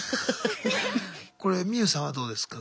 これミユさんはどうですか？